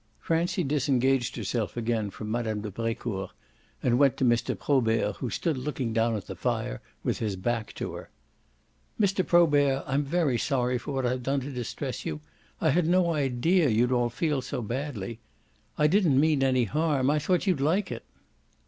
Francie disengaged herself again from Mme. de Brecourt and went to Mr. Probert, who stood looking down at the fire with his back to her. "Mr. Probert, I'm very sorry for what I've done to distress you; I had no idea you'd all feel so badly. I didn't mean any harm. I thought you'd like it."